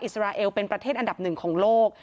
สราเอลเป็นประเทศอันดับหนึ่งของโลก